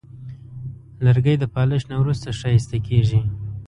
لرګی د پالش نه وروسته ښایسته کېږي.